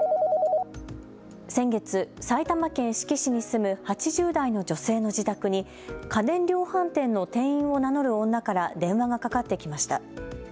先月、埼玉県志木市に住む８０代の女性の自宅に家電量販店の店員を名乗る女から電話がかかってきました。